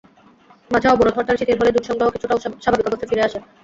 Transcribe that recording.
মাঝে অবরোধ-হরতাল শিথিল হলে দুধ সংগ্রহ কিছুটা স্বাভাবিক অবস্থায় ফিরে আসে।